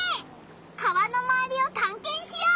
川のまわりをたんけんしよう！